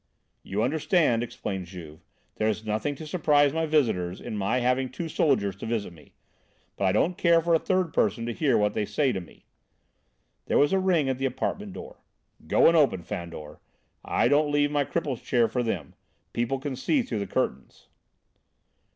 "You understand," explained Juve, "there is nothing to surprise my neighbours in my having two soldiers to visit me. But I don't care for third persons to hear what they say to me." There was a ring at the apartment door. "Go and open, Fandor. I don't leave my cripple's chair for them; people can see through the curtains."